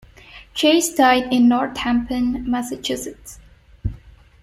Chase died in Northampton, Massachusetts.